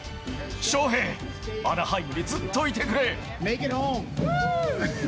翔平、アナハイムにずっといてくれ。